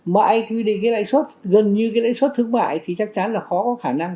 mà ai quy định cái lãi xuất gần như cái lãi xuất thương mại thì chắc chắn là khó có khả năng